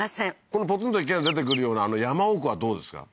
このポツンと出てくるような山奥はどうですか？